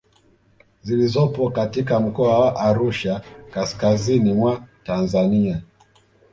zilizopo katika mkoa wa Arusha kaskazizini mwa Tanzania